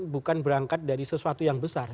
bukan berangkat dari sesuatu yang besar